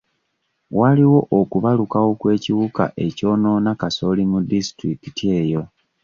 Waliwo okubalukawo kw'ekiwuka ekyonoona kasooli mu disitulikiti eyo.